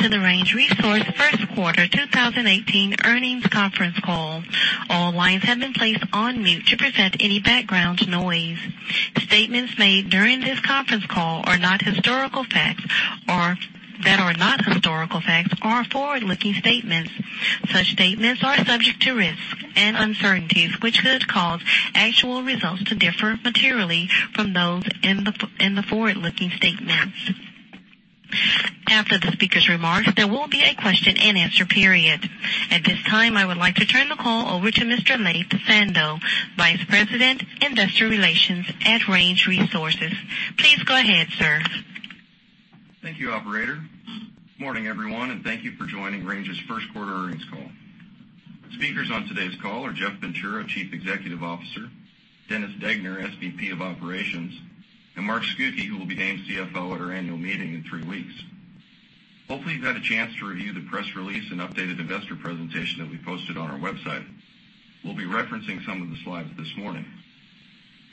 Welcome to the Range Resources first quarter 2018 earnings conference call. All lines have been placed on mute to prevent any background noise. Statements made during this conference call that are not historical facts are forward-looking statements. Such statements are subject to risks and uncertainties, which could cause actual results to differ materially from those in the forward-looking statements. After the speaker's remarks, there will be a question-and-answer period. At this time, I would like to turn the call over to Mr. Laith Sando, Vice President, Investor Relations at Range Resources. Please go ahead, sir. Thank you, operator. Morning, everyone, and thank you for joining Range's first quarter earnings call. Speakers on today's call are Jeff Ventura, Chief Executive Officer, Dennis Degner, SVP of Operations, and Mark Scucchi, who will be named CFO at our annual meeting in three weeks. Hopefully, you've had a chance to review the press release and updated investor presentation that we posted on our website. We'll be referencing some of the slides this morning.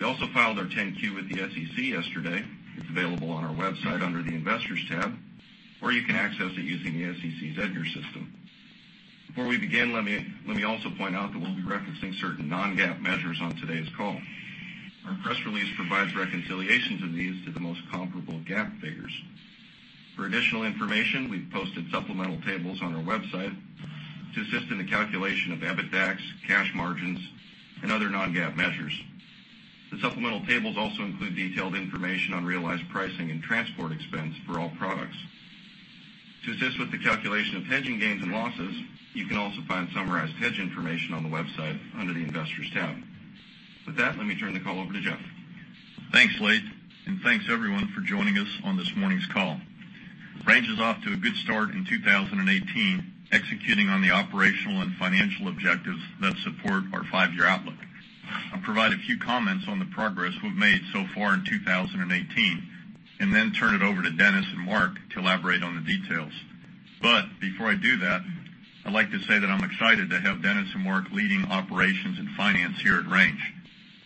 We also filed our 10-Q with the SEC yesterday. It's available on our website under the Investors tab, or you can access it using the SEC's EDGAR system. Before we begin, let me also point out that we'll be referencing certain non-GAAP measures on today's call. Our press release provides reconciliations of these to the most comparable GAAP figures. For additional information, we've posted supplemental tables on our website to assist in the calculation of EBITDAX, cash margins, and other non-GAAP measures. The supplemental tables also include detailed information on realized pricing and transport expense for all products. To assist with the calculation of hedging gains and losses, you can also find summarized hedge information on our website under the Investors tab. With that, let me turn the call over to Jeff. Thanks, Laith, and thanks everyone for joining us on this morning's call. Range is off to a good start in 2018, executing on the operational and financial objectives that support our five-year outlook. I'll provide a few comments on the progress we've made so far in 2018, and then turn it over to Dennis and Mark to elaborate on the details. Before I do that, I'd like to say that I'm excited to have Dennis and Mark leading operations and finance here at Range.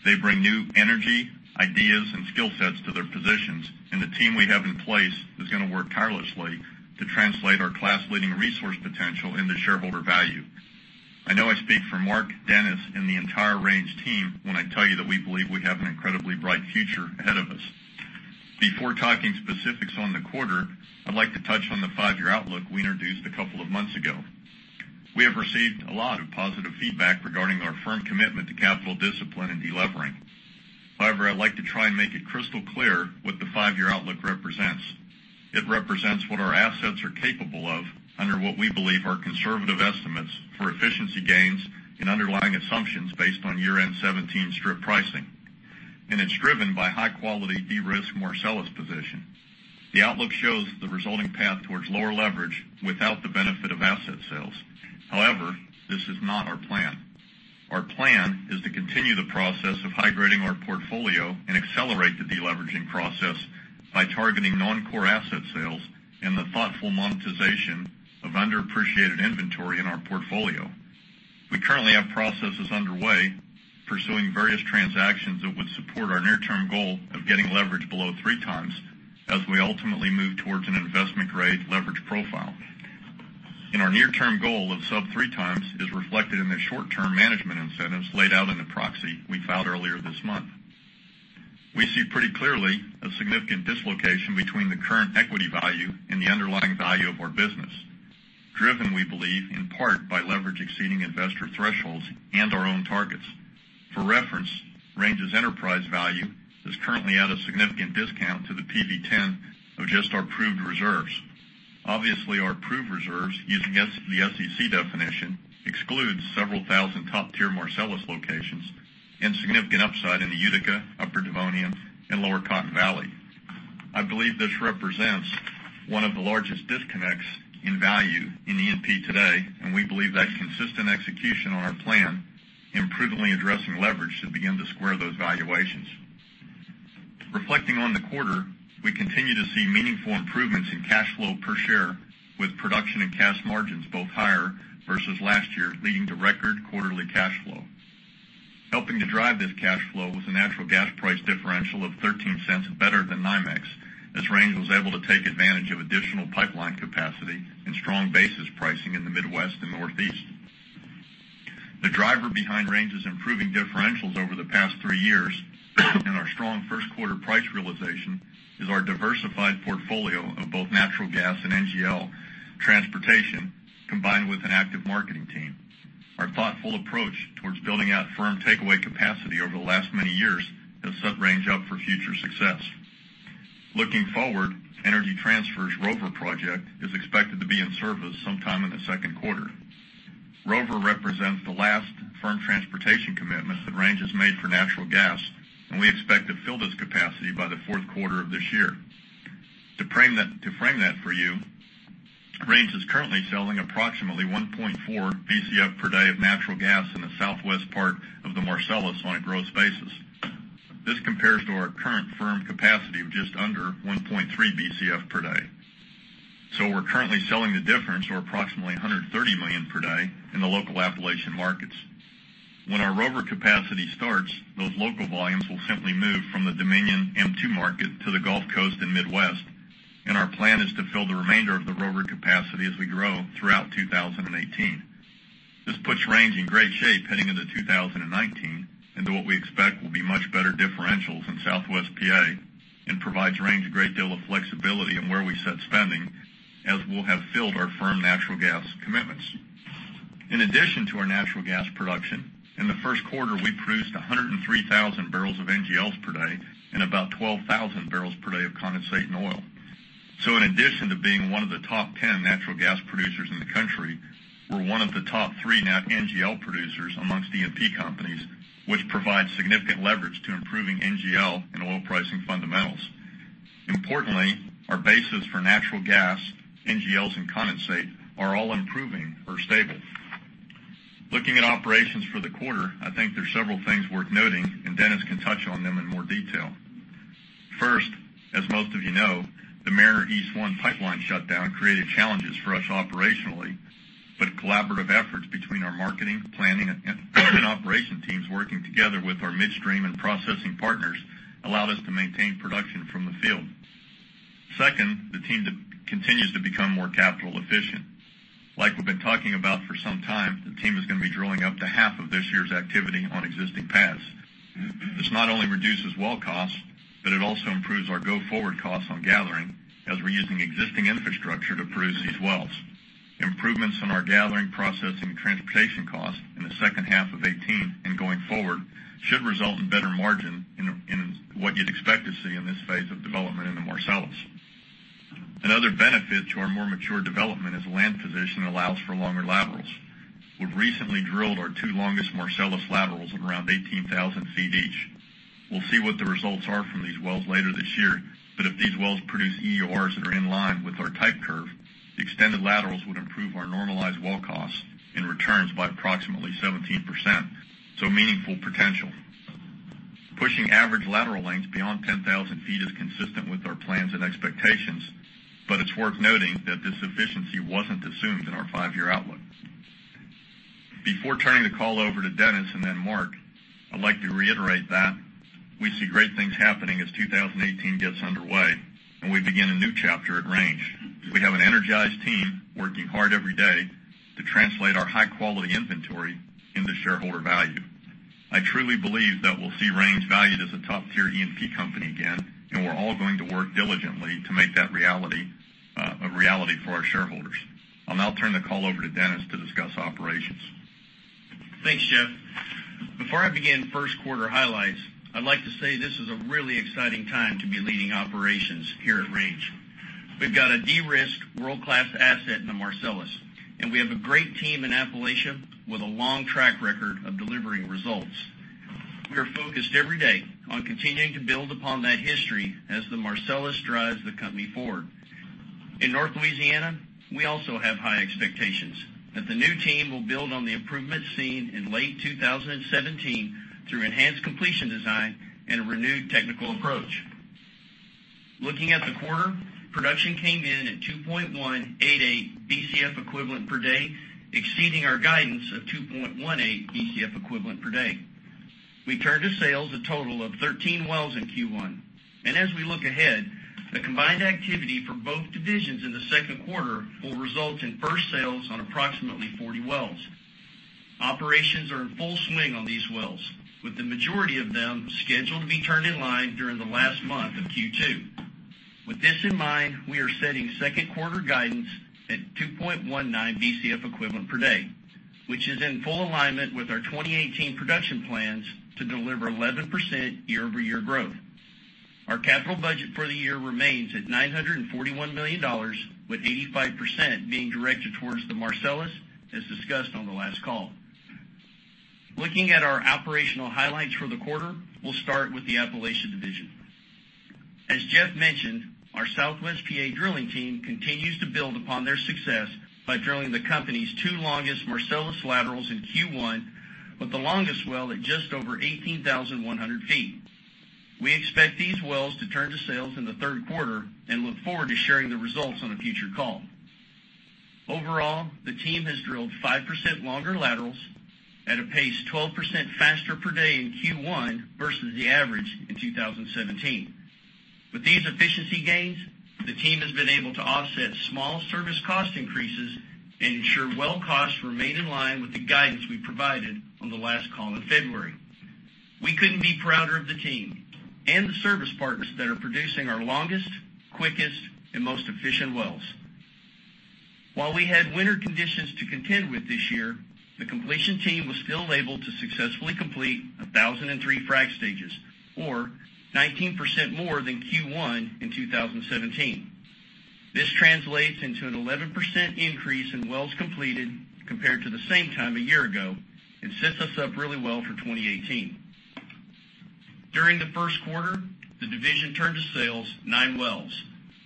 They bring new energy, ideas, and skill sets to their positions, and the team we have in place is going to work tirelessly to translate our class-leading resource potential into shareholder value. I know I speak for Mark, Dennis, and the entire Range team when I tell you that we believe we have an incredibly bright future ahead of us. Before talking specifics on the quarter, I'd like to touch on the five-year outlook we introduced a couple of months ago. We have received a lot of positive feedback regarding our firm commitment to capital discipline and delevering. I'd like to try and make it crystal clear what the five-year outlook represents. It represents what our assets are capable of under what we believe are conservative estimates for efficiency gains and underlying assumptions based on year-end 2017 strip pricing. It's driven by high-quality, de-risked Marcellus position. The outlook shows the resulting path towards lower leverage without the benefit of asset sales. This is not our plan. Our plan is to continue the process of hydrating our portfolio and accelerate the deleveraging process by targeting non-core asset sales and the thoughtful monetization of underappreciated inventory in our portfolio. We currently have processes underway pursuing various transactions that would support our near-term goal of getting leverage below 3 times as we ultimately move towards an investment-grade leverage profile. Our near-term goal of sub 3 times is reflected in the short-term management incentives laid out in the proxy we filed earlier this month. We see pretty clearly a significant dislocation between the current equity value and the underlying value of our business, driven, we believe, in part, by leverage exceeding investor thresholds and our own targets. For reference, Range's enterprise value is currently at a significant discount to the PV 10 of just our proved reserves. Obviously, our proved reserves, using the SEC definition, excludes several thousand top-tier Marcellus locations and significant upside in the Utica, Upper Devonian, and Lower Cotton Valley. I believe this represents one of the largest disconnects in value in E&P today, and we believe that consistent execution on our plan in prudently addressing leverage should begin to square those valuations. Reflecting on the quarter, we continue to see meaningful improvements in cash flow per share, with production and cash margins both higher versus last year, leading to record quarterly cash flow. Helping to drive this cash flow was a natural gas price differential of $0.13 better than NYMEX, as Range was able to take advantage of additional pipeline capacity and strong basis pricing in the Midwest and Northeast. The driver behind Range's improving differentials over the past 3 years and our strong first quarter price realization is our diversified portfolio of both natural gas and NGL transportation, combined with an active marketing team. Our thoughtful approach towards building out firm takeaway capacity over the last many years has set Range up for future success. Looking forward, Energy Transfer's Rover Pipeline is expected to be in service sometime in the second quarter. Rover represents the last firm transportation commitment that Range has made for natural gas, and we expect to fill this capacity by the fourth quarter of this year. To frame that for you, Range is currently selling approximately 1.4 Bcf per day of natural gas in the southwest part of the Marcellus on a gross basis. This compares to our current firm capacity of just under 1.3 Bcf per day. We're currently selling the difference, or approximately 130 million per day, in the local Appalachian markets. When our Rover Pipeline capacity starts, those local volumes will simply move from the TETCO M2 market to the Gulf Coast and Midwest. Our plan is to fill the remainder of the rover capacity as we grow throughout 2018. This puts Range in great shape heading into 2019 and to what we expect will be much better differentials in Southwest PA. Provides Range a great deal of flexibility in where we set spending, as we'll have filled our firm natural gas commitments. In addition to our natural gas production, in the first quarter, we produced 103,000 barrels of NGLs per day and about 12,000 barrels per day of condensate and oil. In addition to being one of the top 10 natural gas producers in the country, we're one of the top three NGL producers amongst E&P companies, which provides significant leverage to improving NGL and oil pricing fundamentals. Importantly, our basis for natural gas, NGLs and condensate are all improving or stable. Looking at operations for the quarter, I think there's several things worth noting, and Dennis can touch on them in more detail. First, as most of you know, the Mariner East 1 pipeline shutdown created challenges for us operationally. Collaborative efforts between our marketing, planning, and operation teams working together with our midstream and processing partners allowed us to maintain production from the field. Second, the team continues to become more capital efficient. Like we've been talking about for some time, the team is going to be drilling up to half of this year's activity on existing pads. This not only reduces well costs, but it also improves our go-forward costs on gathering, as we're using existing infrastructure to produce these wells. Improvements in our gathering, processing, and transportation costs in the second half of 2018 and going forward should result in better margin in what you'd expect to see in this phase of development in the Marcellus. Another benefit to our more mature development is land position allows for longer laterals. We've recently drilled our two longest Marcellus laterals at around 18,000 feet each. We'll see what the results are from these wells later this year, but if these wells produce EURs that are in line with our type curve, the extended laterals would improve our normalized well costs and returns by approximately 17%. Meaningful potential. Pushing average lateral lengths beyond 10,000 feet is consistent with our plans and expectations, but it's worth noting that this efficiency wasn't assumed in our five-year outlook. Before turning the call over to Dennis and then Mark, I'd like to reiterate that we see great things happening as 2018 gets underway. We begin a new chapter at Range. We have an energized team working hard every day to translate our high-quality inventory into shareholder value. I truly believe that we'll see Range valued as a top-tier E&P company again. We're all going to work diligently to make that a reality for our shareholders. I'll now turn the call over to Dennis to discuss operations. Thanks, Jeff. Before I begin first quarter highlights, I'd like to say this is a really exciting time to be leading operations here at Range. We've got a de-risked world-class asset in the Marcellus, and we have a great team in Appalachia with a long track record of delivering results. We are focused every day on continuing to build upon that history as the Marcellus drives the company forward. In North Louisiana, we also have high expectations that the new team will build on the improvements seen in late 2017 through enhanced completion design and a renewed technical approach. Looking at the quarter, production came in at 2.188 Bcf equivalent per day, exceeding our guidance of 2.18 Bcf equivalent per day. We turned to sales a total of 13 wells in Q1. As we look ahead, the combined activity for both divisions in the second quarter will result in first sales on approximately 40 wells. Operations are in full swing on these wells, with the majority of them scheduled to be turned in line during the last month of Q2. With this in mind, we are setting second quarter guidance at 2.19 Bcf equivalent per day, which is in full alignment with our 2018 production plans to deliver 11% year-over-year growth. Our capital budget for the year remains at $941 million, with 85% being directed towards the Marcellus, as discussed on the last call. Looking at our operational highlights for the quarter, we'll start with the Appalachia division. As Jeff mentioned, our Southwest PA drilling team continues to build upon their success by drilling the company's two longest Marcellus laterals in Q1, with the longest well at just over 18,100 feet. We expect these wells to turn to sales in the third quarter and look forward to sharing the results on a future call. Overall, the team has drilled 5% longer laterals at a pace 12% faster per day in Q1 versus the average in 2017. With these efficiency gains, the team has been able to offset small service cost increases and ensure well costs remain in line with the guidance we provided on the last call in February. We couldn't be prouder of the team and the service partners that are producing our longest, quickest, and most efficient wells. While we had winter conditions to contend with this year, the completion team was still able to successfully complete 1,003 frac stages or 19% more than Q1 in 2017. This translates into an 11% increase in wells completed compared to the same time a year ago and sets us up really well for 2018. During the first quarter, the division turned to sales nine wells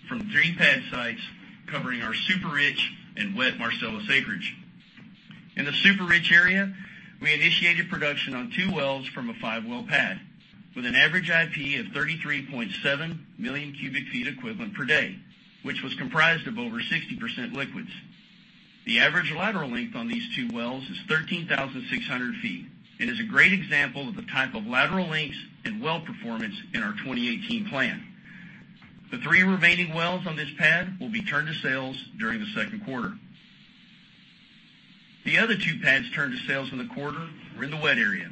from three pad sites covering our Super-rich and Wet Marcellus acreage. In the Super-rich area, we initiated production on two wells from a five-well pad. With an average IP of 33.7 million cubic feet equivalent per day, which was comprised of over 60% liquids. The average lateral length on these two wells is 13,600 feet and is a great example of the type of lateral lengths and well performance in our 2018 plan. The three remaining wells on this pad will be turned to sales during the second quarter. The other two pads turned to sales in the quarter were in the wet area.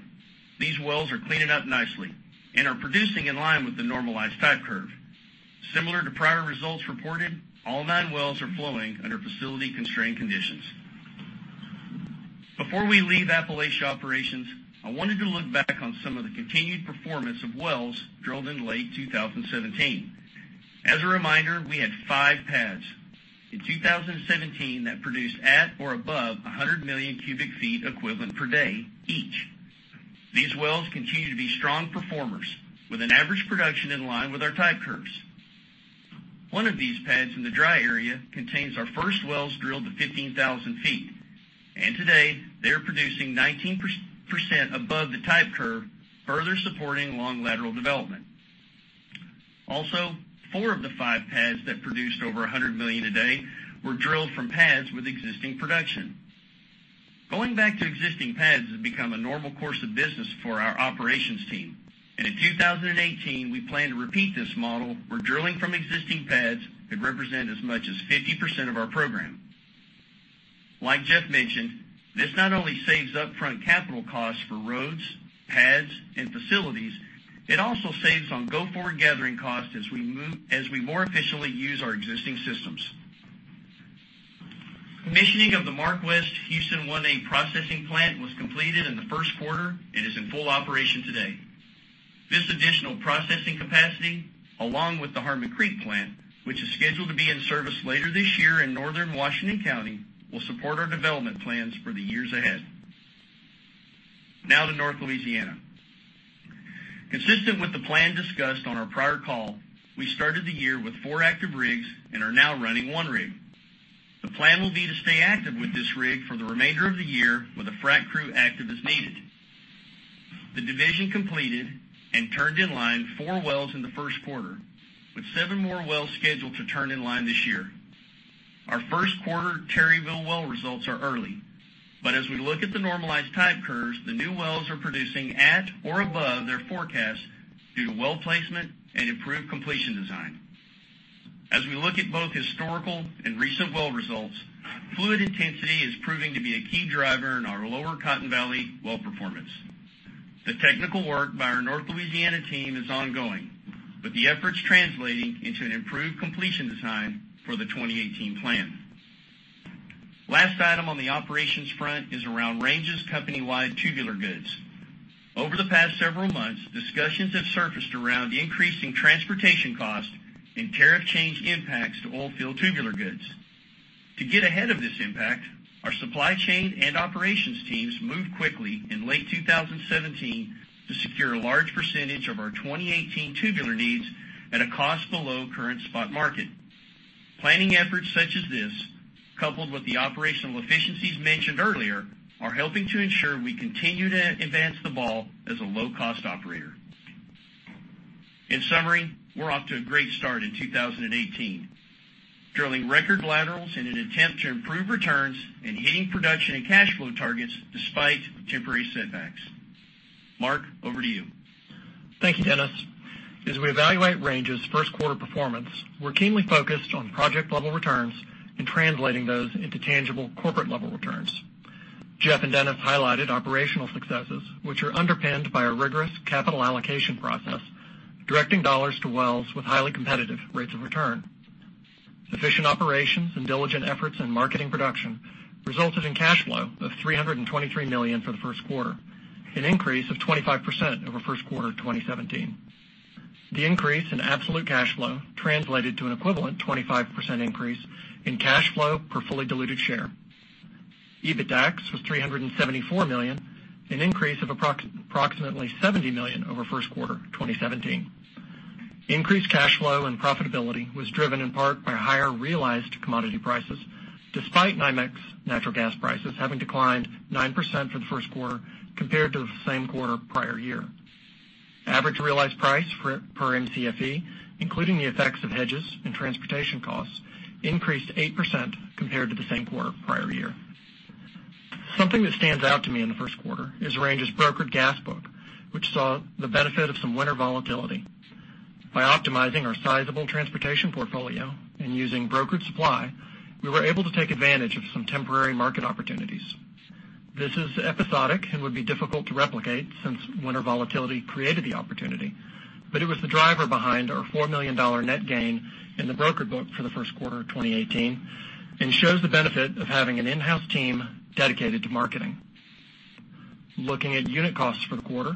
These wells are cleaning up nicely and are producing in line with the normalized type curve. Similar to prior results reported, all nine wells are flowing under facility-constrained conditions. Before we leave Appalachia operations, I wanted to look back on some of the continued performance of wells drilled in late 2017. As a reminder, we had five pads in 2017 that produced at or above 100 million cubic feet equivalent per day each. These wells continue to be strong performers with an average production in line with our type curves. One of these pads in the dry area contains our first wells drilled to 15,000 feet, and today, they're producing 19% above the type curve, further supporting long lateral development. Also, four of the five pads that produced over 100 million a day were drilled from pads with existing production. In 2018, we plan to repeat this model, where drilling from existing pads could represent as much as 50% of our program. Like Jeff mentioned, this not only saves upfront capital costs for roads, pads, and facilities, it also saves on go-forward gathering costs as we more efficiently use our existing systems. Commissioning of the MarkWest Houston 1A processing plant was completed in the first quarter and is in full operation today. This additional processing capacity, along with the Harmon Creek plant, which is scheduled to be in service later this year in northern Washington County, will support our development plans for the years ahead. Now to North Louisiana. Consistent with the plan discussed on our prior call, we started the year with four active rigs and are now running one rig. The plan will be to stay active with this rig for the remainder of the year with a frac crew active as needed. The division completed and turned in line four wells in the first quarter, with seven more wells scheduled to turn in line this year. Our first quarter Terryville well results are early, but as we look at the normalized type curves, the new wells are producing at or above their forecast due to well placement and improved completion design. As we look at both historical and recent well results, fluid intensity is proving to be a key driver in our Lower Cotton Valley well performance. The technical work by our North Louisiana team is ongoing, with the efforts translating into an improved completion design for the 2018 plan. Last item on the operations front is around Range's company-wide tubular goods. Over the past several months, discussions have surfaced around increasing transportation costs and tariff change impacts to oil field tubular goods. To get ahead of this impact, our supply chain and operations teams moved quickly in late 2017 to secure a large percentage of our 2018 tubular needs at a cost below current spot market. Planning efforts such as this, coupled with the operational efficiencies mentioned earlier, are helping to ensure we continue to advance the ball as a low-cost operator. In summary, we're off to a great start in 2018, drilling record laterals in an attempt to improve returns and hitting production and cash flow targets despite temporary setbacks. Mark, over to you. Thank you, Dennis. As we evaluate Range's first quarter performance, we're keenly focused on project-level returns and translating those into tangible corporate-level returns. Jeff and Dennis highlighted operational successes, which are underpinned by a rigorous capital allocation process, directing dollars to wells with highly competitive rates of return. Efficient operations and diligent efforts in marketing production resulted in cash flow of $323 million for the first quarter, an increase of 25% over first quarter 2017. The increase in absolute cash flow translated to an equivalent 25% increase in cash flow per fully diluted share. EBITDAX was $374 million, an increase of approximately $70 million over first quarter 2017. Increased cash flow and profitability was driven in part by higher realized commodity prices, despite NYMEX natural gas prices having declined 9% for the first quarter compared to the same quarter prior year. Average realized price per MCFE, including the effects of hedges and transportation costs, increased 8% compared to the same quarter prior year. Something that stands out to me in the first quarter is Range's brokered gas book, which saw the benefit of some winter volatility. By optimizing our sizable transportation portfolio and using brokered supply, we were able to take advantage of some temporary market opportunities. This is episodic and would be difficult to replicate since winter volatility created the opportunity, but it was the driver behind our $4 million net gain in the broker book for the first quarter of 2018 and shows the benefit of having an in-house team dedicated to marketing. Looking at unit costs for the quarter.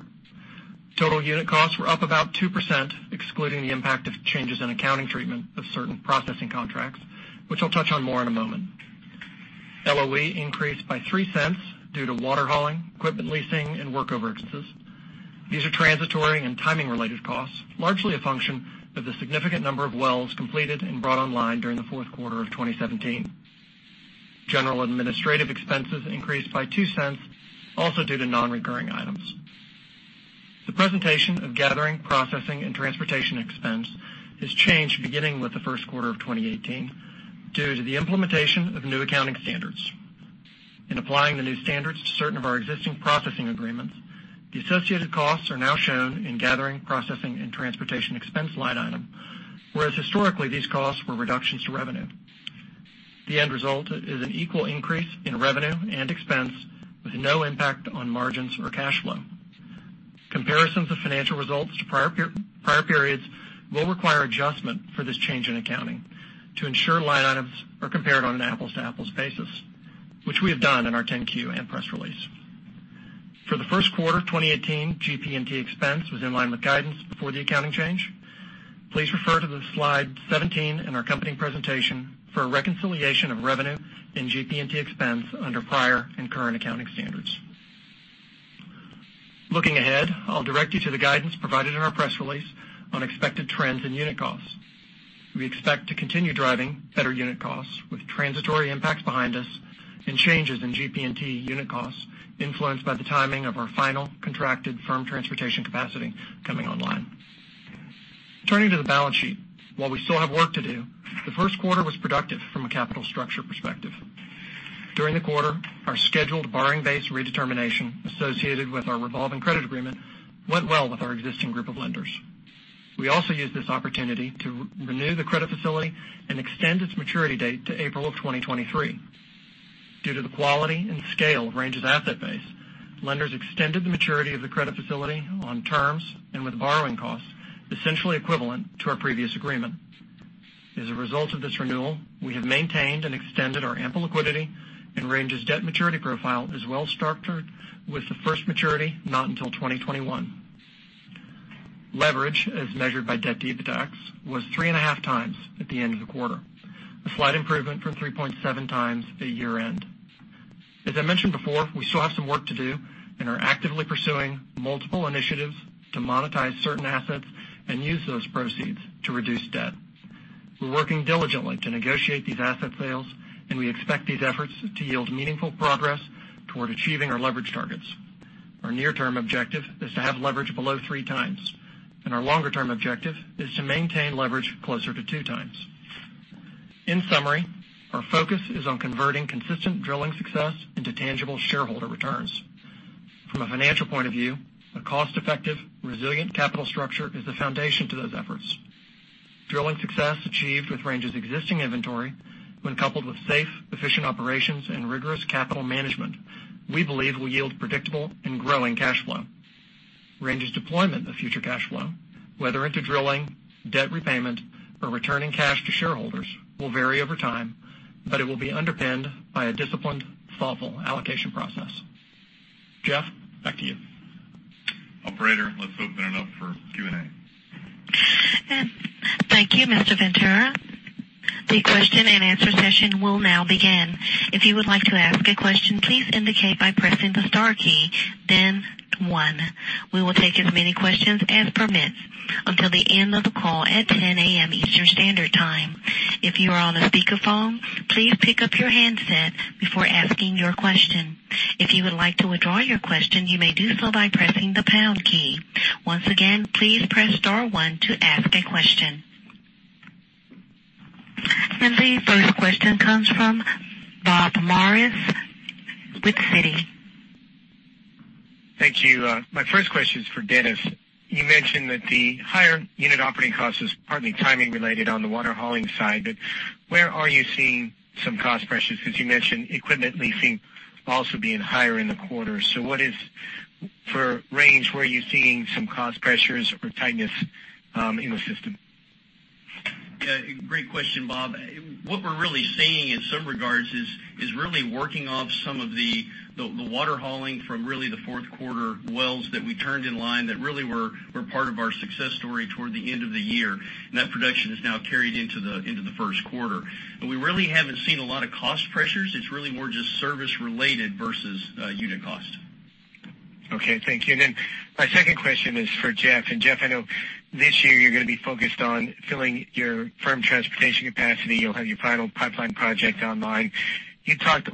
Total unit costs were up about 2%, excluding the impact of changes in accounting treatment of certain processing contracts, which I'll touch on more in a moment. LOE increased by $0.03 due to water hauling, equipment leasing, and workover expenses. These are transitory and timing-related costs, largely a function of the significant number of wells completed and brought online during the fourth quarter of 2017. General administrative expenses increased by $0.02, also due to non-recurring items. The presentation of gathering, processing, and transportation expense has changed beginning with the first quarter of 2018 due to the implementation of new accounting standards. In applying the new standards to certain of our existing processing agreements, the associated costs are now shown in gathering, processing, and transportation expense line item, whereas historically these costs were reductions to revenue. The end result is an equal increase in revenue and expense with no impact on margins or cash flow. Comparisons of financial results to prior periods will require adjustment for this change in accounting to ensure line items are compared on an apples-to-apples basis, which we have done in our 10-Q and press release. For the first quarter of 2018, GP&T expense was in line with guidance before the accounting change. Please refer to the slide 17 in our company presentation for a reconciliation of revenue and GP&T expense under prior and current accounting standards. Looking ahead, I'll direct you to the guidance provided in our press release on expected trends in unit costs. We expect to continue driving better unit costs with transitory impacts behind us and changes in GP&T unit costs influenced by the timing of our final contracted firm transportation capacity coming online. Turning to the balance sheet, while we still have work to do, the first quarter was productive from a capital structure perspective. During the quarter, our scheduled borrowing base redetermination associated with our revolving credit agreement went well with our existing group of lenders. We also used this opportunity to renew the credit facility and extend its maturity date to April of 2023. Due to the quality and scale of Range's asset base, lenders extended the maturity of the credit facility on terms and with borrowing costs essentially equivalent to our previous agreement. As a result of this renewal, we have maintained and extended our ample liquidity, and Range's debt maturity profile is well structured, with the first maturity not until 2021. Leverage, as measured by debt to EBITDAX, was 3.5 times at the end of the quarter, a slight improvement from 3.7 times at year-end. As I mentioned before, we still have some work to do and are actively pursuing multiple initiatives to monetize certain assets and use those proceeds to reduce debt. We're working diligently to negotiate these asset sales, and we expect these efforts to yield meaningful progress toward achieving our leverage targets. Our near-term objective is to have leverage below three times, and our longer-term objective is to maintain leverage closer to two times. In summary, our focus is on converting consistent drilling success into tangible shareholder returns. From a financial point of view, a cost-effective, resilient capital structure is the foundation to those efforts. Drilling success achieved with Range's existing inventory, when coupled with safe, efficient operations and rigorous capital management, we believe will yield predictable and growing cash flow. Range's deployment of future cash flow, whether into drilling, debt repayment, or returning cash to shareholders, will vary over time, but it will be underpinned by a disciplined, thoughtful allocation process. Jeff, back to you. Operator, let's open it up for Q&A. Thank you, Mr. Ventura. The question and answer session will now begin. If you would like to ask a question, please indicate by pressing the star key, then one. We will take as many questions as permits until the end of the call at 10:00 A.M. Eastern Standard Time. If you are on a speakerphone, please pick up your handset before asking your question. If you would like to withdraw your question, you may do so by pressing the pound key. Once again, please press star one to ask a question. The first question comes from Bob Morris with Citi. Thank you. My first question is for Dennis. You mentioned that the higher unit operating cost is partly timing related on the water hauling side. Where are you seeing some cost pressures? Because you mentioned equipment leasing also being higher in the quarter. For Range, where are you seeing some cost pressures or tightness in the system? Yeah, great question, Bob. What we're really seeing in some regards is really working off some of the water hauling from really the fourth quarter wells that we turned in line that really were part of our success story toward the end of the year. That production is now carried into the first quarter. We really haven't seen a lot of cost pressures. It's really more just service related versus unit cost. Okay, thank you. My second question is for Jeff. Jeff, I know this year you're going to be focused on filling your firm transportation capacity. You'll have your final pipeline project online. You talked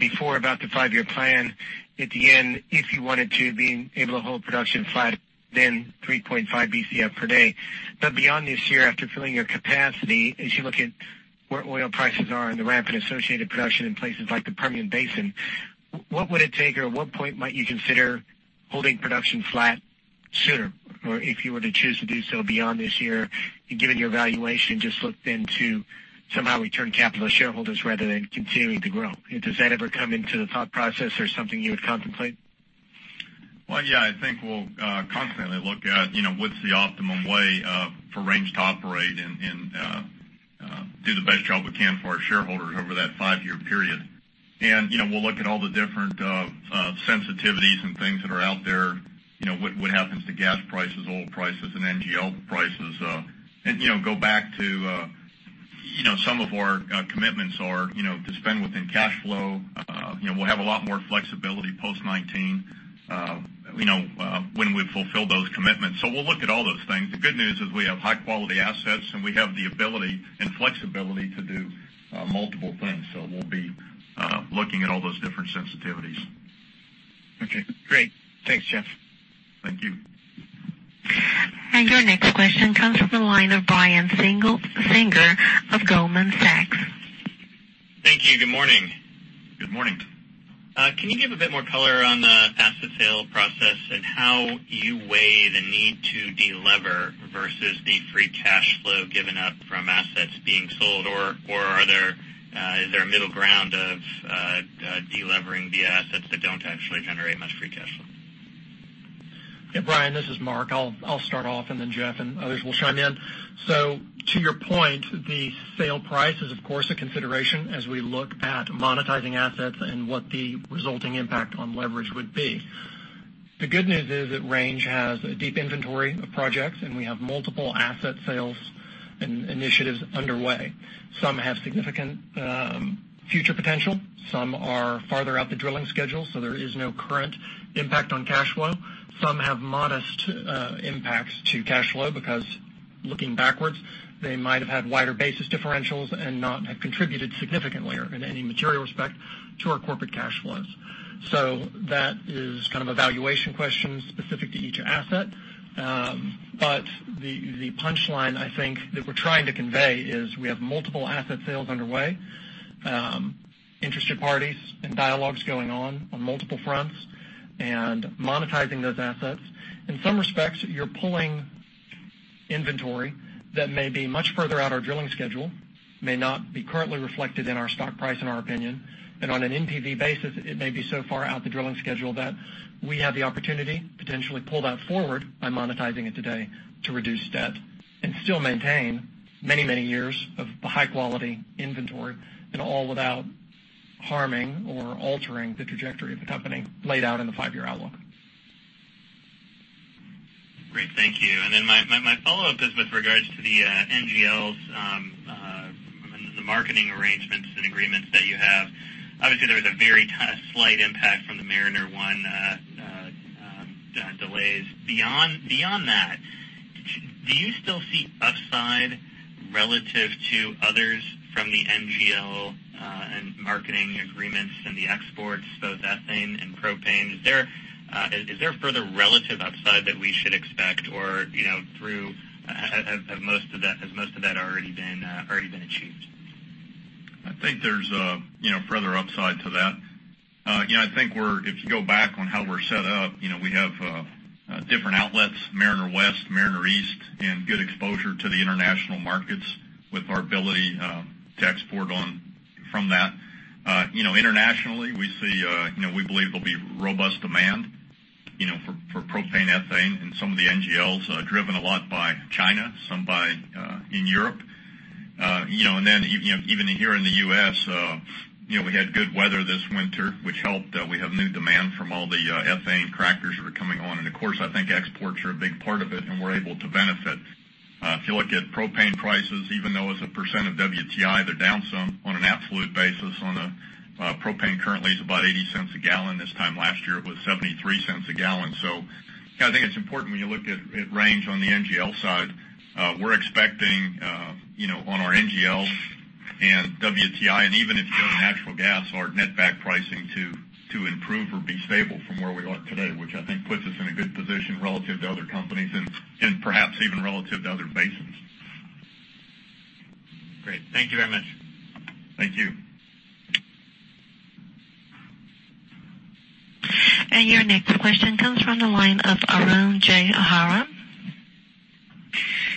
before about the five-year plan at the end, if you wanted to, being able to hold production flat, then 3.5 Bcf per day. Beyond this year, after filling your capacity, as you look at where oil prices are and the rapid associated production in places like the Permian Basin, what would it take, or at what point might you consider holding production flat sooner? If you were to choose to do so beyond this year, given your valuation, just looked into somehow return capital to shareholders rather than continuing to grow. Does that ever come into the thought process or something you would contemplate? Well, I think we'll constantly look at what's the optimum way for Range to operate and do the best job we can for our shareholders over that five-year period. We'll look at all the different sensitivities and things that are out there. What happens to gas prices, oil prices, and NGL prices? Go back to some of our commitments are to spend within cash flow. We'll have a lot more flexibility post 2019 when we fulfill those commitments. We'll look at all those things. The good news is we have high-quality assets, and we have the ability and flexibility to do multiple things. We'll be looking at all those different sensitivities. Okay, great. Thanks, Jeff. Thank you. Your next question comes from the line of Brian Singer of Goldman Sachs. Thank you. Good morning. Good morning. Can you give a bit more color on the asset sale process and how you weigh the need to de-lever versus the free cash flow given up from assets being sold, or is there a middle ground of de-levering via assets that don't actually generate much free cash flow? Yeah, Brian, this is Mark. I'll start off, and then Jeff and others will chime in. To your point, the sale price is, of course, a consideration as we look at monetizing assets and what the resulting impact on leverage would be. The good news is that Range has a deep inventory of projects, and we have multiple asset sales and initiatives underway. Some have significant future potential. Some are farther out the drilling schedule, so there is no current impact on cash flow. Some have modest impacts to cash flow because looking backwards, they might have had wider basis differentials and not have contributed significantly or in any material respect to our corporate cash flows. That is kind of a valuation question specific to each asset. The punchline I think that we're trying to convey is we have multiple asset sales underway, interested parties, and dialogues going on multiple fronts, and monetizing those assets. In some respects, you're pulling inventory that may be much further out our drilling schedule, may not be currently reflected in our stock price, in our opinion. On an NPV basis, it may be so far out the drilling schedule that we have the opportunity potentially pull that forward by monetizing it today to reduce debt and still maintain many years of the high-quality inventory, and all without harming or altering the trajectory of the company laid out in the five-year outlook. Great. Thank you. My follow-up is with regards to the NGLs, the marketing arrangements and agreements that you have. Obviously, there was a very slight impact from the Mariner One delays. Beyond that, do you still see upside relative to others from the NGL and marketing agreements and the exports, both ethane and propane? Is there further relative upside that we should expect, or has most of that already been achieved? I think there's further upside to that. I think if you go back on how we're set up, we have different outlets, Mariner West, Mariner East, and good exposure to the international markets with our ability to export on from that. Internationally, we believe there'll be robust demand for propane, ethane, and some of the NGLs are driven a lot by China, some in Europe. Even here in the U.S., we had good weather this winter, which helped. We have new demand from all the ethane crackers that are coming on. Of course, I think exports are a big part of it, and we're able to benefit. If you look at propane prices, even though as a percent of WTI, they're down some on an absolute basis on a propane currently is about $0.80 a gallon. This time last year, it was $0.73 a gallon. I think it's important when you look at Range on the NGL side. We're expecting on our NGLs and WTI, and even if you go to natural gas, our net back pricing to improve or be stable from where we are today, which I think puts us in a good position relative to other companies and perhaps even relative to other basins. Great. Thank you very much. Thank you. Your next question comes from the line of Arun J. Jayaram.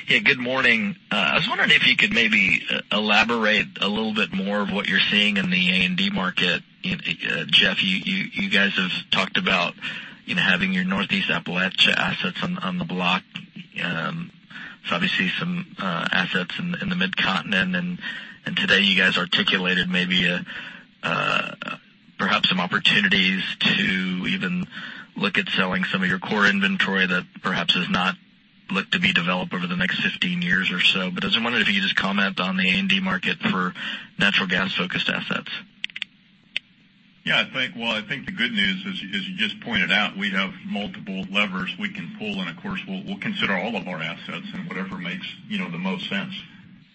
Yeah, good morning. I was wondering if you could maybe elaborate a little bit more of what you're seeing in the A&D market. Jeff, you guys have talked about having your Northeast Appalachia assets on the block. Obviously some assets in the Mid-Continent, and today you guys articulated maybe perhaps some opportunities to even look at selling some of your core inventory that perhaps does not look to be developed over the next 15 years or so. I was wondering if you could just comment on the A&D market for natural gas-focused assets. Yeah. Well, I think the good news is, as you just pointed out, we have multiple levers we can pull, and of course, we'll consider all of our assets and whatever makes the most sense,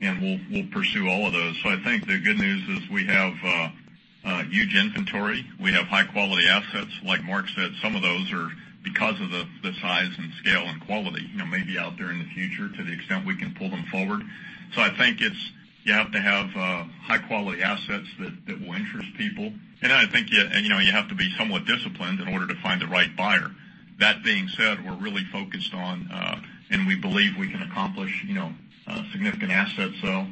and we'll pursue all of those. I think the good news is we have a huge inventory. We have high-quality assets. Like Mark said, some of those are because of the size and scale and quality maybe out there in the future to the extent we can pull them forward. I think you have to have high-quality assets that will interest people. I think you have to be somewhat disciplined in order to find the right buyer. That being said, we're really focused on, and we believe we can accomplish a significant asset sale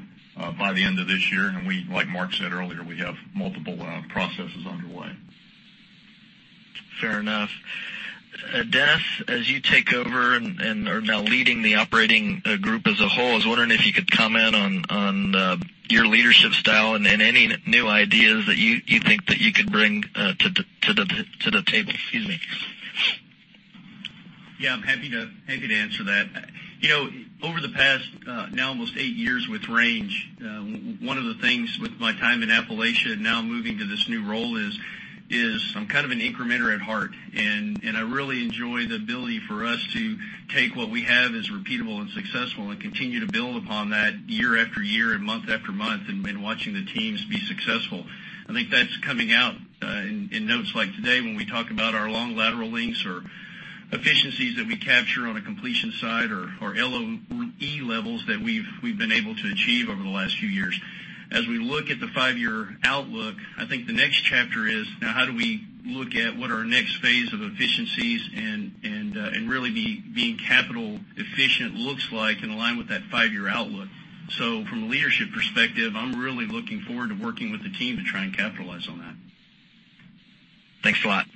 by the end of this year. Like Mark said earlier, we have multiple processes underway. Fair enough. Jeff, as you take over and are now leading the operating group as a whole, I was wondering if you could comment on your leadership style and any new ideas that you think that you could bring to the table. Excuse me. I'm happy to answer that. Over the past, now almost eight years with Range, one of the things with my time in Appalachia, now moving to this new role is I'm an incrementer at heart, and I really enjoy the ability for us to take what we have as repeatable and successful and continue to build upon that year after year and month after month, and watching the teams be successful. I think that's coming out in notes like today when we talk about our long lateral lengths or efficiencies that we capture on a completion side or LOE levels that we've been able to achieve over the last few years. As we look at the five-year outlook, I think the next chapter is now how do we look at what our next phase of efficiencies and really being capital efficient looks like and align with that five-year outlook. From a leadership perspective, I'm really looking forward to working with the team to try and capitalize on that. Thanks a lot.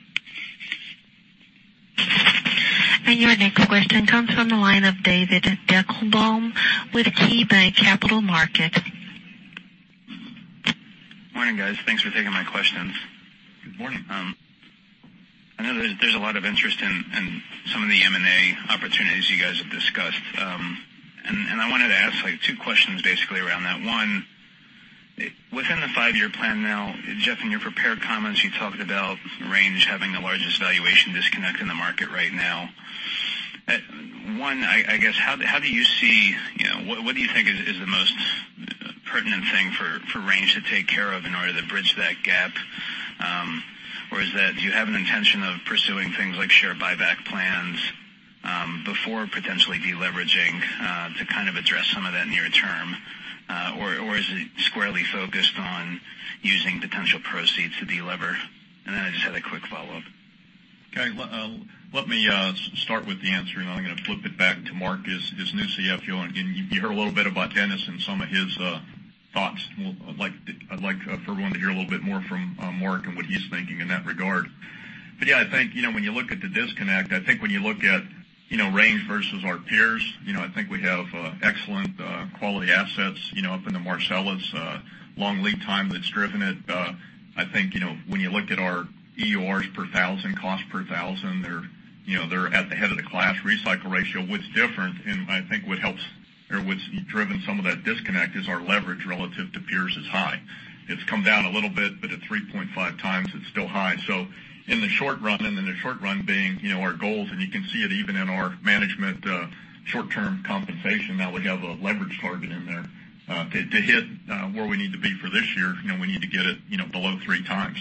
Your next question comes from the line of David Deckelbaum with KeyBanc Capital Markets. Morning, guys. Thanks for taking my questions. Good morning. I know there's a lot of interest in some of the M&A opportunities you guys have discussed. I wanted to ask two questions basically around that. One, within the five-year plan now, Jeff, in your prepared comments, you talked about Range having the largest valuation disconnect in the market right now. One, what do you think is the most pertinent thing for Range to take care of in order to bridge that gap? Do you have an intention of pursuing things like share buyback plans before potentially de-leveraging to address some of that near term? Is it squarely focused on using potential proceeds to de-lever? I just had a quick follow-up. Okay. Let me start with the answer, I'm going to flip it back to Mark as new CFO. You heard a little bit about Dennis and some of his thoughts. I'd like for everyone to hear a little bit more from Mark and what he's thinking in that regard. Yeah, when you look at the disconnect, I think when you look at Range versus our peers, I think we have excellent quality assets up in the Marcellus, long lead time that's driven it. I think when you look at our EURs per thousand, cost per thousand, they're at the head of the class recycle ratio. What's different, I think what's driven some of that disconnect is our leverage relative to peers is high. It's come down a little bit, at 3.5x, it's still high. In the short run, in the short run being our goals, you can see it even in our management short-term compensation, now we have a leverage target in there. To hit where we need to be for this year, we need to get it below three times.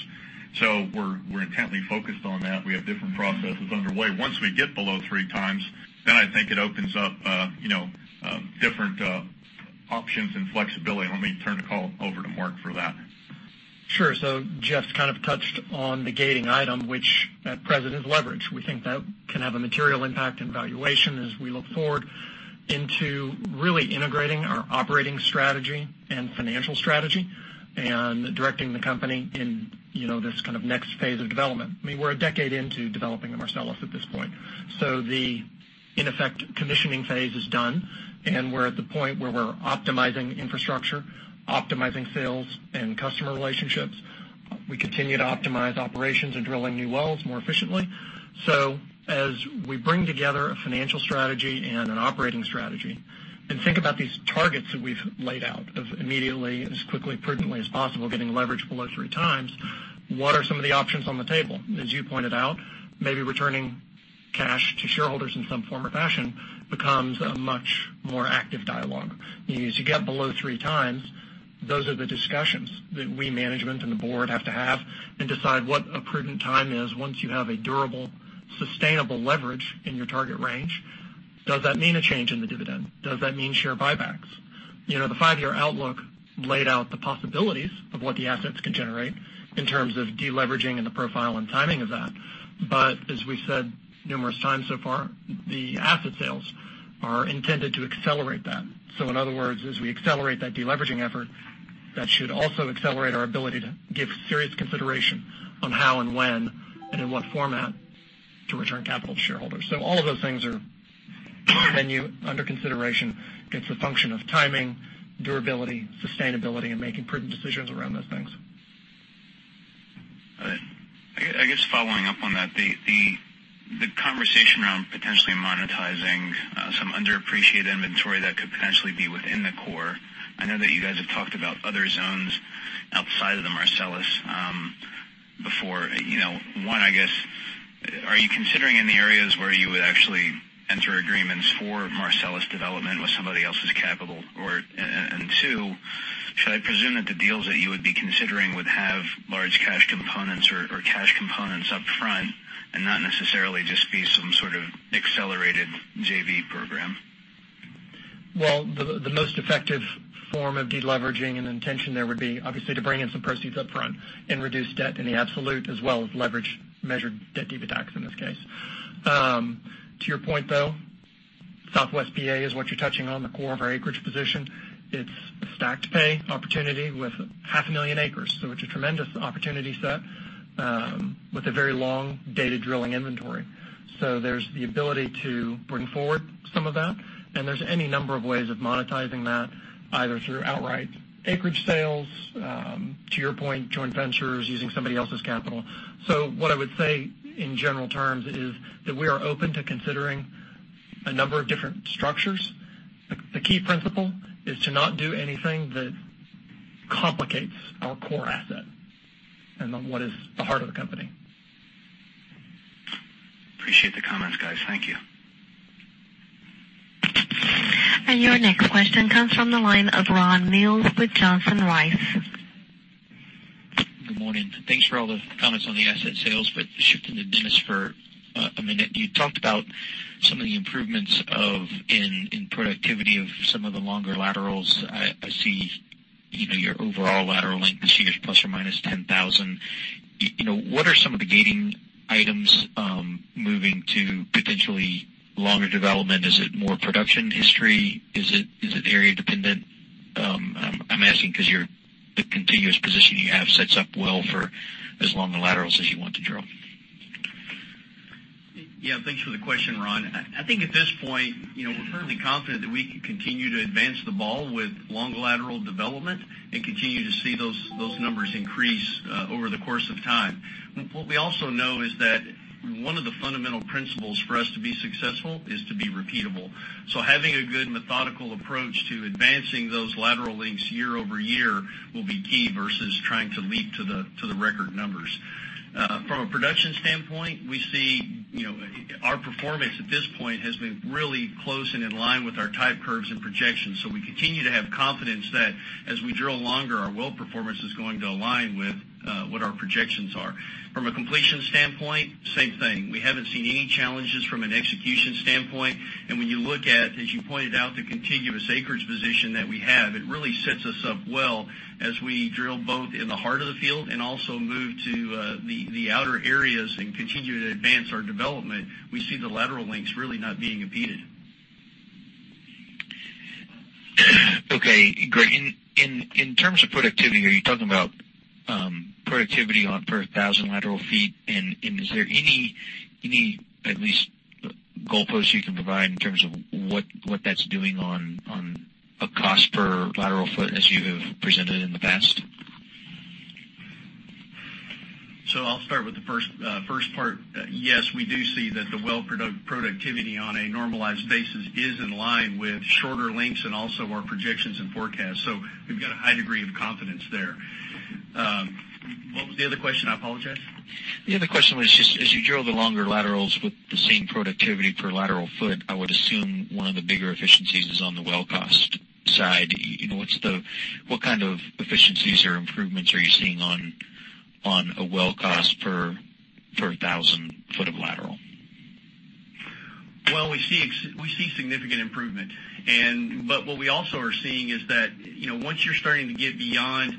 We're intently focused on that. We have different processes underway. Once we get below three times, I think it opens up different options and flexibility. Let me turn the call over to Mark for that. Sure. Jeff's touched on the gating item, which at present is leverage. We think that can have a material impact in valuation as we look forward into really integrating our operating strategy and financial strategy and directing the company in this next phase of development. We're a decade into developing the Marcellus at this point. The, in effect, commissioning phase is done, we're at the point where we're optimizing infrastructure, optimizing sales and customer relationships. We continue to optimize operations and drilling new wells more efficiently. As we bring together a financial strategy and an operating strategy, think about these targets that we've laid out of immediately, as quickly, prudently as possible, getting leverage below three times, what are some of the options on the table? As you pointed out, maybe returning cash to shareholders in some form or fashion becomes a much more active dialogue. As you get below 3 times, those are the discussions that we management and the board have to have and decide what a prudent time is once you have a durable, sustainable leverage in your target range. Does that mean a change in the dividend? Does that mean share buybacks? The 5-year outlook laid out the possibilities of what the assets can generate in terms of de-leveraging and the profile and timing of that. As we said numerous times so far, the asset sales are intended to accelerate that. In other words, as we accelerate that de-leveraging effort, that should also accelerate our ability to give serious consideration on how and when and in what format to return capital to shareholders. All of those things are on the menu under consideration against the function of timing, durability, sustainability, and making prudent decisions around those things. All right. I guess following up on that, the conversation around potentially monetizing some underappreciated inventory that could potentially be within the core. I know that you guys have talked about other zones outside of the Marcellus before. One, are you considering in the areas where you would actually enter agreements for Marcellus development with somebody else's capital? Two, should I presume that the deals that you would be considering would have large cash components or cash components up front and not necessarily just be some sort of accelerated JV program? The most effective form of de-leveraging and intention there would be obviously to bring in some proceeds upfront and reduce debt in the absolute as well as leverage measured debt EBITDA in this case. To your point, though, Southwest P.A. is what you're touching on the core of our acreage position. It's a stacked pay opportunity with half a million acres. It's a tremendous opportunity set with a very long data drilling inventory. There's the ability to bring forward some of that, and there's any number of ways of monetizing that, either through outright acreage sales, to your point, joint ventures using somebody else's capital. What I would say in general terms is that we are open to considering a number of different structures The key principle is to not do anything that complicates our core asset and what is the heart of the company. Appreciate the comments, guys. Thank you. Your next question comes from the line of Ron Mills with Johnson Rice. Good morning. Thanks for all the comments on the asset sales. Shifting to Dennis for a minute, you talked about some of the improvements in productivity of some of the longer laterals. I see your overall lateral length this year is ±10,000. What are some of the gating items moving to potentially longer development? Is it more production history? Is it area dependent? I'm asking because the continuous position you have sets up well for as long laterals as you want to drill. Thanks for the question, Ron. I think at this point, we're fairly confident that we can continue to advance the ball with long lateral development and continue to see those numbers increase over the course of time. What we also know is that one of the fundamental principles for us to be successful is to be repeatable. Having a good methodical approach to advancing those lateral lengths year-over-year will be key versus trying to leap to the record numbers. From a production standpoint, we see our performance at this point has been really close and in line with our type curves and projections. We continue to have confidence that as we drill longer, our well performance is going to align with what our projections are. From a completion standpoint, same thing. We haven't seen any challenges from an execution standpoint. When you look at, as you pointed out, the contiguous acreage position that we have, it really sets us up well as we drill both in the heart of the field and also move to the outer areas and continue to advance our development. We see the lateral lengths really not being impeded. In terms of productivity, are you talking about productivity per 1,000 lateral feet? Is there any at least goalposts you can provide in terms of what that's doing on a cost per lateral foot as you have presented in the past? I'll start with the first part. Yes, we do see that the well productivity on a normalized basis is in line with shorter lengths and also our projections and forecasts. We've got a high degree of confidence there. What was the other question? I apologize. The other question was just as you drill the longer laterals with the same productivity per lateral foot, I would assume one of the bigger efficiencies is on the well cost side. What kind of efficiencies or improvements are you seeing on a well cost per 1,000 foot of lateral? We see significant improvement. What we also are seeing is that once you're starting to get beyond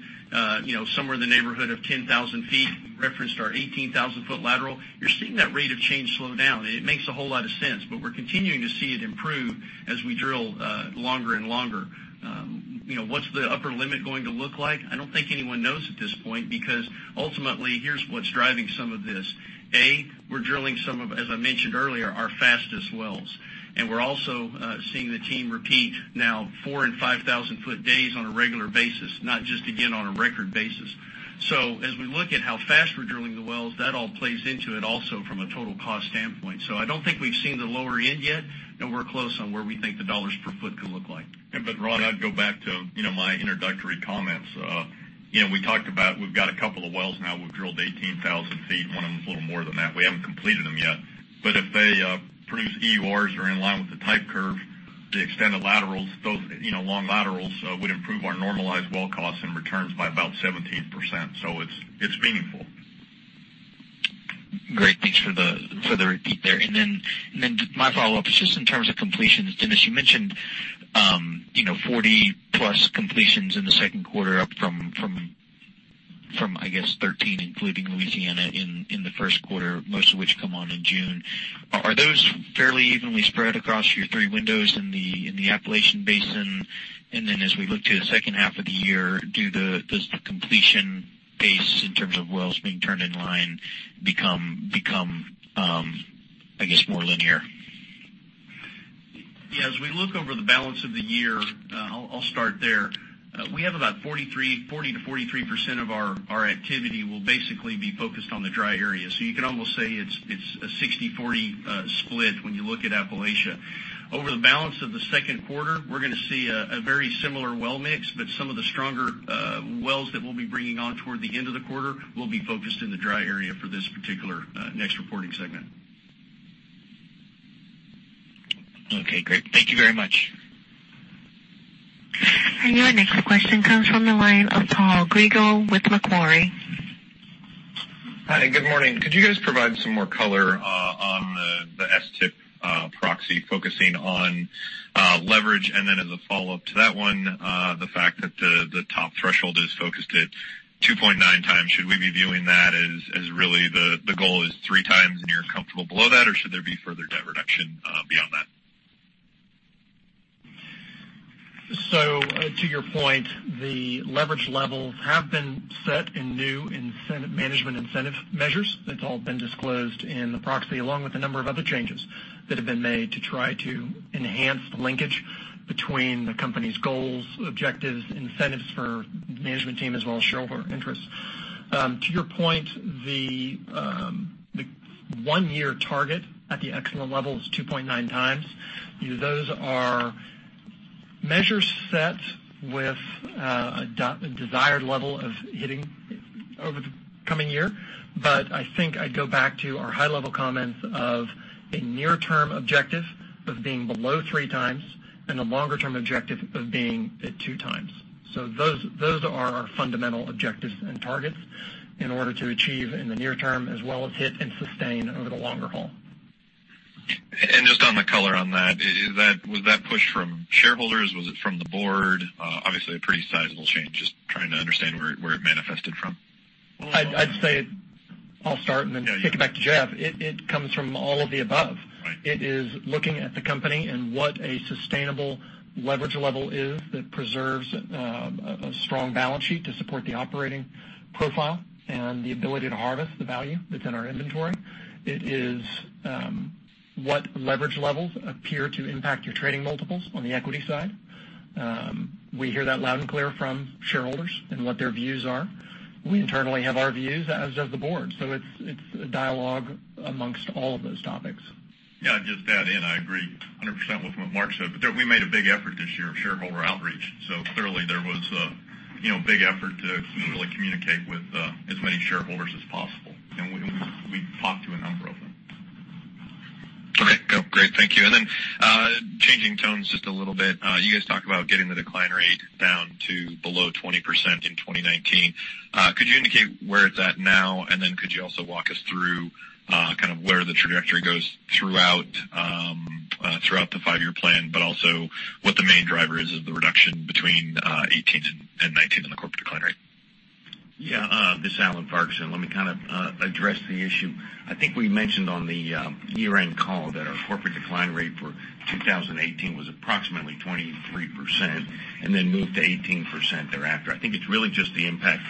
somewhere in the neighborhood of 10,000 feet, referenced our 18,000-foot lateral, you're seeing that rate of change slow down, and it makes a whole lot of sense, but we're continuing to see it improve as we drill longer and longer. What's the upper limit going to look like? I don't think anyone knows at this point, because ultimately, here's what's driving some of this. A, we're drilling some of, as I mentioned earlier, our fastest wells, and we're also seeing the team repeat now 4,000 and 5,000 foot days on a regular basis, not just again on a record basis. As we look at how fast we're drilling the wells, that all plays into it also from a total cost standpoint. I don't think we've seen the lower end yet, and we're close on where we think the dollars per foot could look like. Ron, I'd go back to my introductory comments. We talked about, we've got a couple of wells now we've drilled 18,000 feet. One of them is a little more than that. We haven't completed them yet. If they produce EURs that are in line with the type curve, the extended laterals, those long laterals would improve our normalized well costs and returns by about 17%. It's meaningful. Great. Thanks for the repeat there. My follow-up is just in terms of completions. Dennis, you mentioned 40+ completions in the second quarter, up from I guess 13, including Louisiana in the first quarter, most of which come on in June. Are those fairly evenly spread across your three windows in the Appalachian Basin? As we look to the second half of the year, does the completion pace in terms of wells being turned in line become, I guess, more linear? Yeah. As we look over the balance of the year, I'll start there. We have about 40%-43% of our activity will basically be focused on the dry area. You can almost say it's a 60/40 split when you look at Appalachia. Over the balance of the second quarter, we're going to see a very similar well mix, but some of the stronger wells that we'll be bringing on toward the end of the quarter will be focused in the dry area for this particular next reporting segment. Okay, great. Thank you very much. Your next question comes from the line of Paul Grigel with Macquarie. Hi. Good morning. Could you guys provide some more color on the STIP proxy focusing on leverage? Then as a follow-up to that one, the fact that the top threshold is focused at 2.9 times, should we be viewing that as really the goal is 3 times and you're comfortable below that, or should there be further debt reduction beyond that? To your point, the leverage levels have been set in new management incentive measures. That's all been disclosed in the proxy, along with a number of other changes that have been made to try to enhance the linkage between the company's goals, objectives, incentives for management team as well as shareholder interests. To your point, the One-year target at the excellent level is 2.9 times. Those are measure sets with a desired level of hitting over the coming year. I think I'd go back to our high-level comments of a near-term objective of being below 3 times and a longer-term objective of being at 2 times. Those are our fundamental objectives and targets in order to achieve in the near term as well as hit and sustain over the longer haul. Just on the color on that, was that push from shareholders? Was it from the board? Obviously, a pretty sizable change. Just trying to understand where it manifested from. I'd say I'll start and then kick it back to Jeff. It comes from all of the above. Right. It is looking at the company and what a sustainable leverage level is that preserves a strong balance sheet to support the operating profile and the ability to harvest the value that's in our inventory. It is what leverage levels appear to impact your trading multiples on the equity side. We hear that loud and clear from shareholders and what their views are. We internally have our views as of the board, so it's a dialogue amongst all of those topics. Yeah, just add in, I agree 100% with what Mark said. We made a big effort this year of shareholder outreach. Clearly, there was a big effort to really communicate with as many shareholders as possible. We talked to a number of them. Okay, cool. Great. Thank you. Changing tones just a little bit. You guys talked about getting the decline rate down to below 20% in 2019. Could you indicate where it's at now, and then could you also walk us through where the trajectory goes throughout the five-year plan, but also what the main driver is of the reduction between 2018 and 2019 on the corporate decline rate? Yeah. This is Alan Farquharson. Let me address the issue. I think we mentioned on the year-end call that our corporate decline rate for 2018 was approximately 23% and then moved to 18% thereafter. I think it's really just the impact.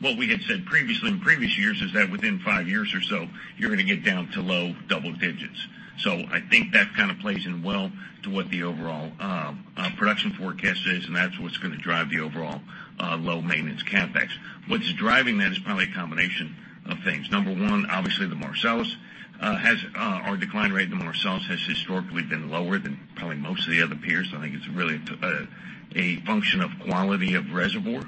What we had said previously in previous years is that within five years or so, you're going to get down to low double digits. I think that plays in well to what the overall production forecast is, and that's what's going to drive the overall low maintenance CapEx. What's driving that is probably a combination of things. Number 1, obviously our decline rate in the Marcellus has historically been lower than probably most of the other peers. I think it's really a function of quality of reservoir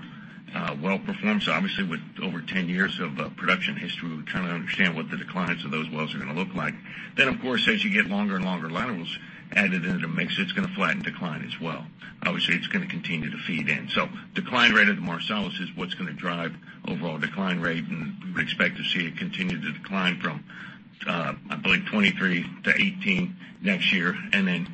well performance. Obviously, with over 10 years of production history, we understand what the declines of those wells are going to look like. Of course, as you get longer and longer laterals added into the mix, it's going to flatten decline as well. Obviously, it's going to continue to feed in. The decline rate of the Marcellus is what's going to drive overall decline rate, and we would expect to see it continue to decline from, I believe, 23% to 18% next year and then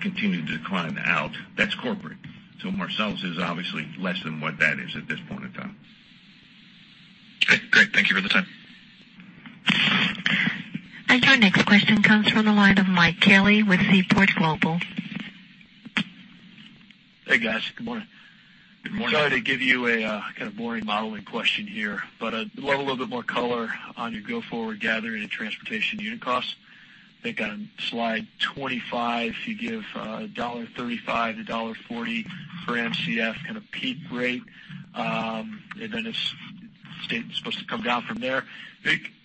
continue to decline out. That's corporate. Marcellus is obviously less than what that is at this point in time. Okay, great. Thank you for the time. Your next question comes from the line of Mike Kelly with Seaport Global. Hey, guys. Good morning. Good morning. Sorry to give you a boring modeling question here. I'd love a little bit more color on your go-forward gathering and transportation unit costs. I think on slide 25, you give $1.35-$1.40 per Mcf peak rate, and then it's supposed to come down from there.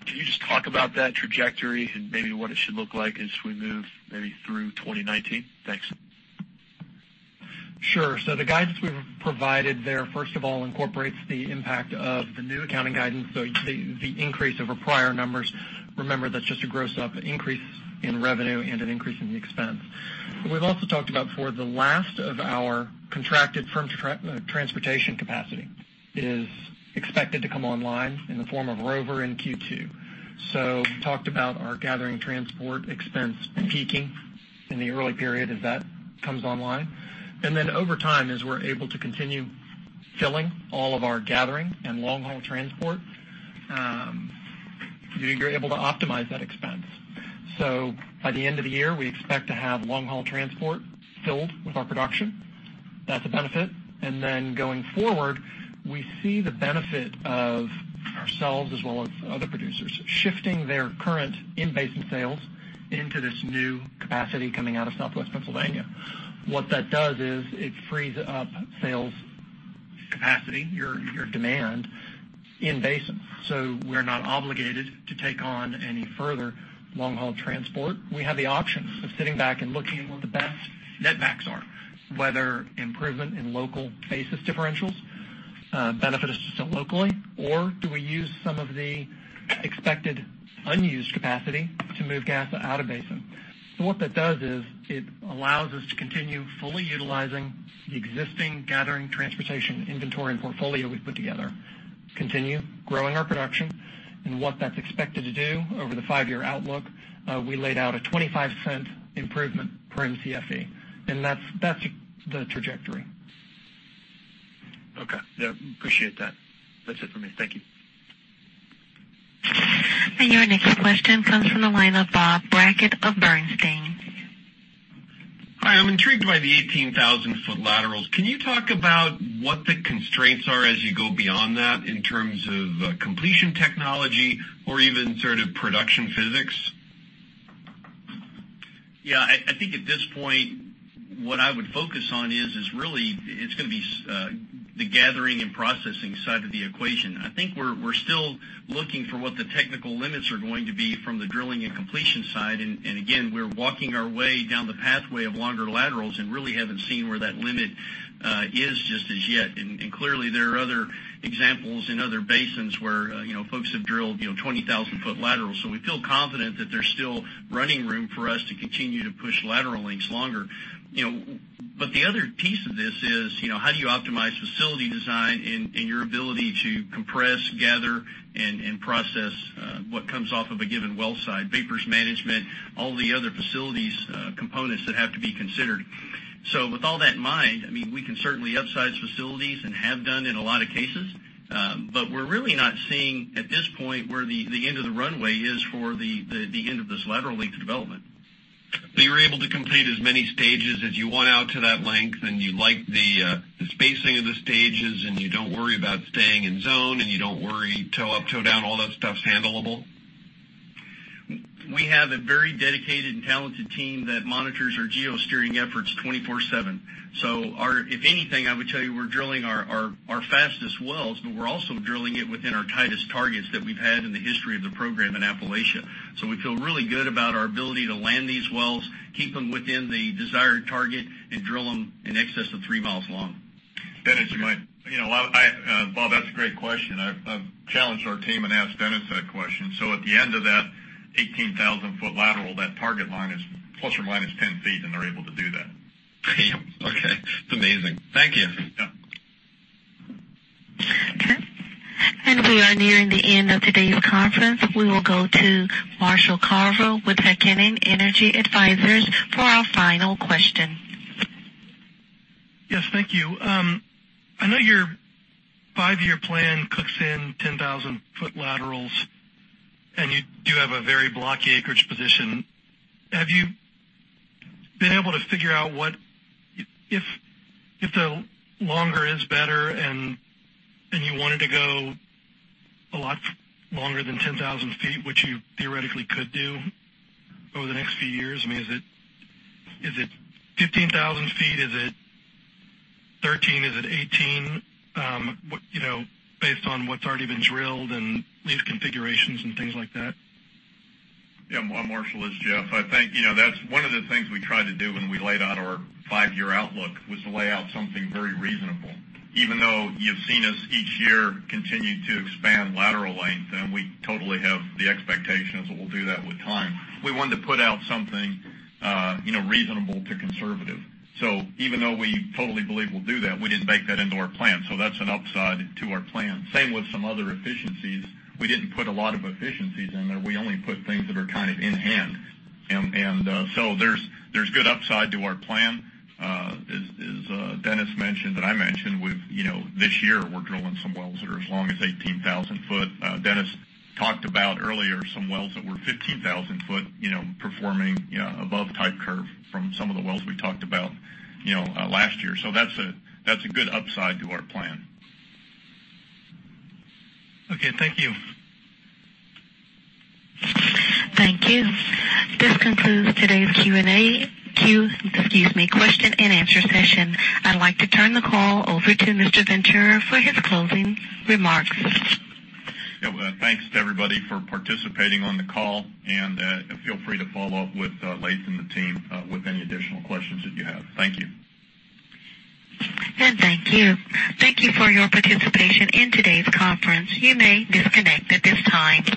Can you just talk about that trajectory and maybe what it should look like as we move maybe through 2019? Thanks. Sure. The guidance we've provided there, first of all, incorporates the impact of the new accounting guidance. The increase over prior numbers, remember, that's just a gross up increase in revenue and an increase in the expense. We've also talked about for the last of our contracted firm transportation capacity is expected to come online in the form of Rover in Q2. We talked about our gathering transport expense peaking in the early period as that comes online. Then over time, as we're able to continue filling all of our gathering and long-haul transport, you're able to optimize that expense. By the end of the year, we expect to have long-haul transport filled with our production. That's a benefit. Going forward, we see the benefit of ourselves as well as other producers shifting their current in-basin sales into this new capacity coming out of Southwest Pennsylvania. What that does is it frees up sales capacity, your demand in basin. We're not obligated to take on any further long-haul transport. We have the option of sitting back and looking at what the best netbacks are, whether improvement in local basis differentials benefit us just locally, or do we use some of the expected unused capacity to move gas out of basin. What that does is it allows us to continue fully utilizing the existing gathering transportation inventory and portfolio we've put together, continue growing our production, and what that's expected to do over the five-year outlook. We laid out a $0.25 improvement per Mcfe, that's the trajectory. Okay. Yeah, appreciate that. That's it for me. Thank you. Your next question comes from the line of Bob Brackett of Bernstein. Hi. I'm intrigued by the 18,000-foot laterals. Can you talk about what the constraints are as you go beyond that in terms of completion technology or even sort of production physics? Yeah, I think at this point, what I would focus on is really, it's going to be the gathering and processing side of the equation. I think we're still looking for what the technical limits are going to be from the drilling and completion side. Again, we're walking our way down the pathway of longer laterals and really haven't seen where that limit is just as yet. Clearly, there are other examples in other basins where folks have drilled 20,000-foot laterals. We feel confident that there's still running room for us to continue to push lateral lengths longer. The other piece of this is, how do you optimize facility design and your ability to compress, gather, and process what comes off of a given well site? Vapors management, all the other facilities components that have to be considered. With all that in mind, we can certainly upsize facilities and have done in a lot of cases. We're really not seeing, at this point, where the end of the runway is for the end of this lateral length development. You're able to complete as many stages as you want out to that length, and you like the spacing of the stages, and you don't worry about staying in zone, and you don't worry toe up, toe down, all that stuff's handleable? We have a very dedicated and talented team that monitors our geo-steering efforts 24/7. If anything, I would tell you we're drilling our fastest wells, but we're also drilling it within our tightest targets that we've had in the history of the program in Appalachia. We feel really good about our ability to land these wells, keep them within the desired target, and drill them in excess of three miles long. Dennis, Bob, that's a great question. I've challenged our team and asked Dennis that question. At the end of that 18,000-foot lateral, that target line is ±10 feet, they're able to do that. Damn. Okay. It's amazing. Thank you. Yeah. Okay. We are nearing the end of today's conference. We will go to Marshall Carver with Heikkinen Energy Advisors for our final question. Yes, thank you. I know your five-year plan cooks in 10,000-foot laterals, you do have a very blocky acreage position. Have you been able to figure out what if the longer is better and you wanted to go a lot longer than 10,000 feet, which you theoretically could do over the next few years, is it 15,000 feet? Is it 13? Is it 18? Based on what's already been drilled and these configurations and things like that. Marshall, it's Jeff. I think that's one of the things we tried to do when we laid out our five-year outlook was to lay out something very reasonable. Even though you've seen us each year continue to expand lateral length, and we totally have the expectation that we'll do that with time. We wanted to put out something reasonable to conservative. Even though we totally believe we'll do that, we didn't bake that into our plan. That's an upside to our plan. Same with some other efficiencies. We didn't put a lot of efficiencies in there. We only put things that are in hand. There's good upside to our plan. As Dennis mentioned, that I mentioned, this year, we're drilling some wells that are as long as 18,000 foot. Dennis talked about earlier some wells that were 15,000 foot performing above type curve from some of the wells we talked about last year. That's a good upside to our plan. Okay, thank you. Thank you. This concludes today's Q&A, excuse me, question and answer session. I'd like to turn the call over to Mr. Ventura for his closing remarks. Thanks to everybody for participating on the call, and feel free to follow up with Laith and the team with any additional questions that you have. Thank you. Thank you. Thank you for your participation in today's conference. You may disconnect at this time.